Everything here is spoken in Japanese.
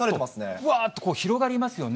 うわーっと広がりますよね。